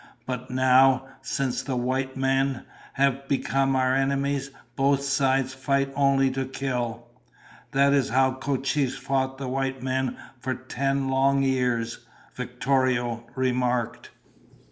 But now, since the white men have become our enemies, both sides fight only to kill." "That is how Cochise fought the white men for ten long years," Victorio remarked.